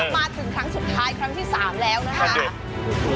มาถึงครั้งสุดท้ายครั้งที่๓แล้วนะคะ